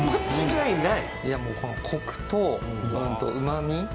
いやもうこのコクと旨味